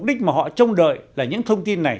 không đợi là những thông tin này